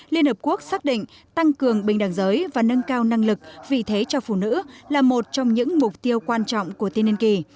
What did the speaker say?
liên hợp quốc xác định tăng cường bình đẳng giới và nâng cao năng lực vì thế cho phụ nữ là một trong những mục tiêu quan trọng của tiên nhân kỳ